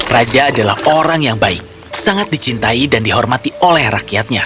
raja adalah orang yang baik sangat dicintai dan dihormati oleh rakyatnya